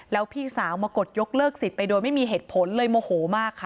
แล้วพี่สาวมากดยกเลิกสิทธิ์ไปโดยไม่มีเหตุผลเลยโมโหมากค่ะ